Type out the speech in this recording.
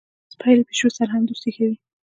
سپي له پیشو سره هم دوستي کوي.